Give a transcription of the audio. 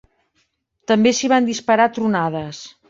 També s’hi van disparar tronades.